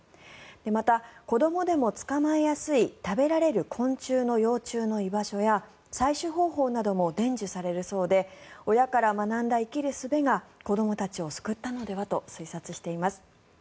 また、子どもでも捕まえやすい食べられる昆虫の幼虫の居場所や採取方法なども伝授されるそうで親から学んだ生きるすべが子どもたちを救ったのではと推察しています。